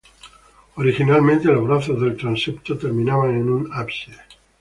Originalmente los brazos del transepto terminaban en un ábside.